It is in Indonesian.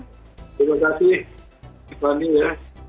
terima kasih dipanding ya